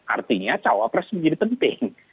artinya cawapres menjadi penting